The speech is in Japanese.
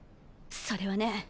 それはね